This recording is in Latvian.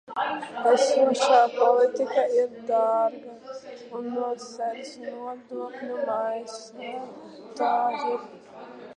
Esošā politika ir dārga, un to sedz nodokļu maksātāji.